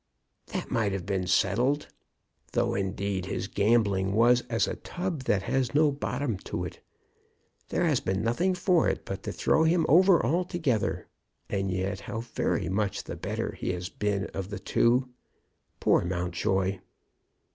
"That might have been settled. Though, indeed, his gambling was as a tub that has no bottom to it. There has been nothing for it but to throw him over altogether. And yet how very much the better he has been of the two! Poor Mountjoy!"